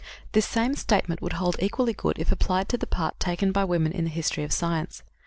" This same statement would hold equally good if applied to the part taken by women in the history of science.